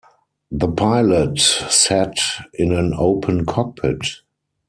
The pilot sat in an open cockpit.